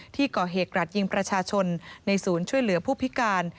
ที่ก่อเหตุกราดยิงประชาชนในศูนย์ช่วยเหลือผู้พิการ